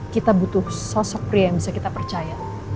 kita butuh sosok pria yang bisa kita percaya